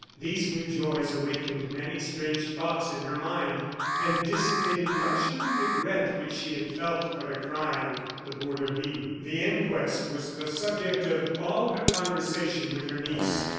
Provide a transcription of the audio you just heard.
These new joys awakened many strange thoughts in her mind, and dissipated much of the regret which she had felt for the crime at the Borderie. The inquest was the subject of all her conversation with her niece.